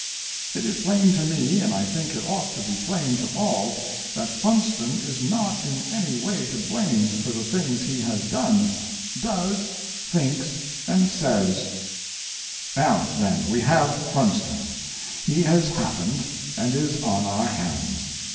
It is plain to me, and I think it ought to be plain to all, that Funston is not in any way to blame for the things he has done, does, thinks, and says. A DEFENCE OF GENERAL FUNSTON. 623 Now, then, we have Funston; he has happened, and is on our hands.